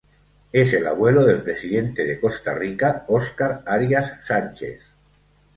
Es el abuelo del Presidente de Costa Rica Óscar Arias Sánchez.